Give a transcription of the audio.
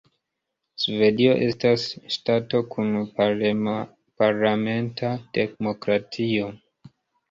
Svedio estas ŝtato kun parlamenta demokratio.